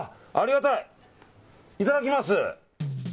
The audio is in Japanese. ありがたい、いただきます！